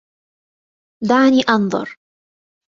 دعني أنظر.